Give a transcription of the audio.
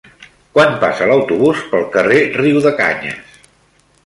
Quan passa l'autobús pel carrer Riudecanyes?